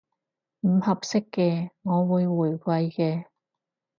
唔合適嘅，我會回饋嘅